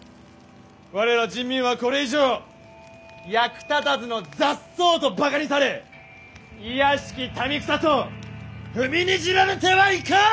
我ら人民はこれ以上役立たずの雑草とバカにされ卑しき民草と踏みにじられてはいかん！